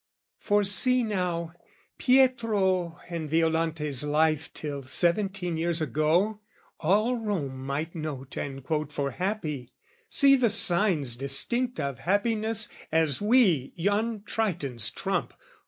For see now: Pietro and Violante's life Till seventeen years ago, all Rome might note And quote for happy see the signs distinct Of happiness as we yon Triton's trump.